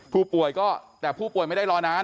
ผู้ป่วยก็แต่ผู้ป่วยไม่ได้รอนาน